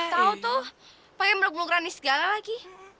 tau tuh pake meluk meluk rani segala lagi